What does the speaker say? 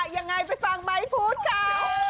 อย่างไรไปสั่งไม้พูดค่ะ